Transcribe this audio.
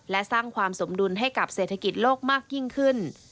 และสร้างความสมดุลให้กับเศรษฐกิจโลกมากยิ่งขึ้น